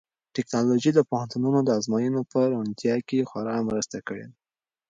ټیکنالوژي د پوهنتونونو د ازموینو په روڼتیا کې خورا مرسته کړې ده.